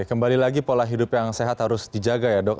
kembali lagi pola hidup yang sehat harus dijaga ya dok